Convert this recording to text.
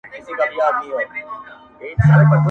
نن د جانان په ښار کي ګډي دي پردۍ سندري!٫.